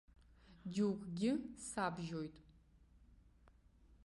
Џьоукгьы сабжьоит.